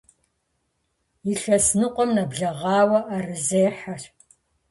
Илъэс ныкъуэм нэблэгъауэ ӏэрызехьэщ.